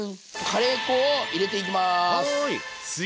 カレー粉を入れていきます。